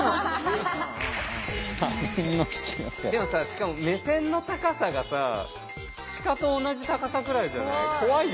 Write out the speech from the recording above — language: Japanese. しかも目線の高さがさ鹿と同じ高さくらいじゃない？